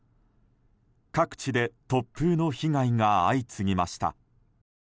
各地で突風の被害が相次ぎました。